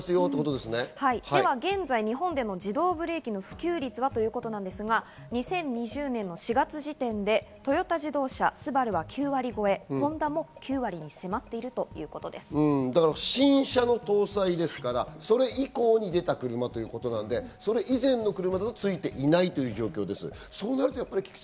では日本での自動ブレーキの普及率はといいますと、２０２０年４月時点でトヨタ自動車、スバルは９割越え、ホンダも９割に迫っているという新車の搭載ですから、それ以降に出た車ということで、それ以前の車にはついていないという状況です。